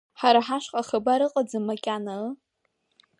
Ҳара ҳашҟа ахабар ыҟаӡам макьана, ыы?